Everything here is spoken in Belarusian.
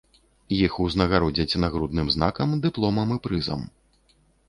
Іх узнагародзяць нагрудным знакам, дыпломам і прызам.